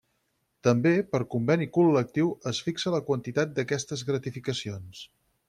També per conveni col·lectiu es fixa la quantitat d'aquestes gratificacions.